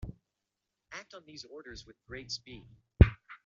Act on these orders with great speed.